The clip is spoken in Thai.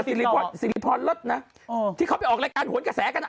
สิริพรเลิศนะที่เขาไปออกรายการโหนกระแสกันอ่ะ